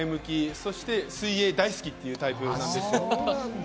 そして水泳大好きというタイプです。